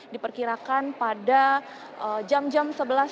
diperkirakan pada jam jam sebelas